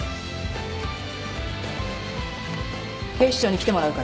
警視庁に来てもらうから。